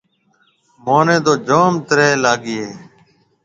مهنَي تو جوم تره لاگِي هيَ۔